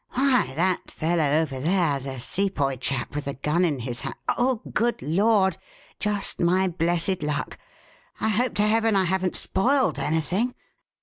Why, that fellow over there the Sepoy chap with the gun in his hands Oh, good Lord! just my blessed luck! I hope to heaven I haven't spoilt anything!"